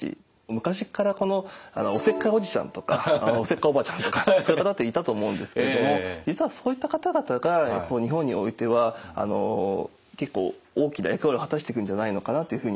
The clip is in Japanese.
昔っからおせっかいおじちゃんとかおせっかいおばちゃんとかそういう方っていたと思うんですけれども実はそういった方々がここ日本においては結構大きな役割を果たしていくんじゃないのかなというふうに。